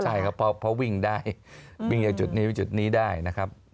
ใช่ครับเพราะวิ่งได้วิ่งจากจุดนี้ไปจุดนี้ได้นะครับ